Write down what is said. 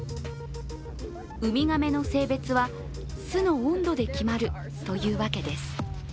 ウミガメの性別は巣の温度で決まるというわけです。